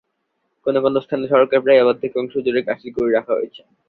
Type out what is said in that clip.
কোনো কোনো স্থানে সড়কের প্র্রায় অর্ধেক অংশজুড়ে গাছের গুঁড়ি রাখা হয়েছে।